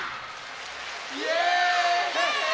イエーイ！